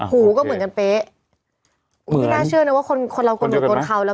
หูก็เหมือนกันเป๊ะเหมือนพี่น่าเชื่อเนอะว่าคนคนเราก็เหมือนโกนเขาแล้ว